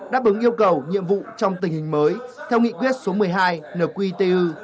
đáp ứng yêu cầu nhiệm vụ trong tình hình mới theo nghị quyết số một mươi hai nqtu